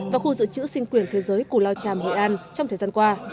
và khu dự trữ sinh quyền thế giới cù lao tràm hội an trong thời gian qua